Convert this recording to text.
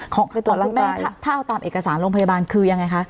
คุณแม่ถ้าเอาตามเอกสารโรงพยาบาลคือยังไงคะ